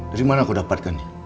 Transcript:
dari mana kau dapatkan ini